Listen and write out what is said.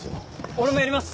俺もやります！